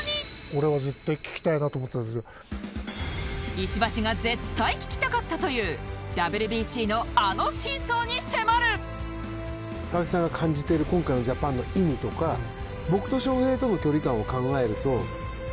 石橋が絶対聞きたかったという貴明さんが感じている今回のジャパンの意味とか僕と翔平との距離感を考えると。